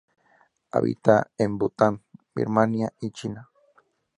Habita en Bután, Birmania y China.